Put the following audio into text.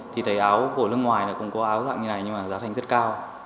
thì thấy áo của nước ngoài là cũng có áo dạng như này nhưng mà giá thành rất cao